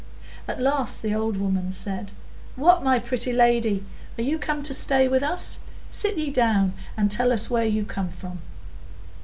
At last the old woman said,— "What! my pretty lady, are you come to stay with us? Sit ye down and tell us where you come from."